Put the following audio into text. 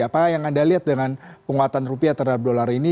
apa yang anda lihat dengan penguatan rupiah terhadap dolar ini